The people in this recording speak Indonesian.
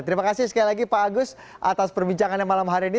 terima kasih sekali lagi pak agus atas perbincangannya malam hari ini